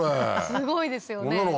すごいですよね。